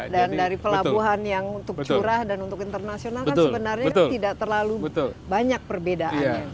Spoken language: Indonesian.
dan dari pelabuhan yang untuk curah dan untuk internasional kan sebenarnya tidak terlalu banyak perbedaannya